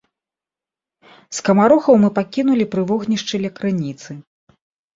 Скамарохаў мы пакінулі пры вогнішчы ля крыніцы.